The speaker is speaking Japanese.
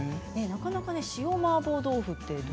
なかなか塩マーボー豆腐って。